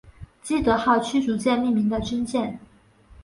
基德号驱逐舰命名的军舰。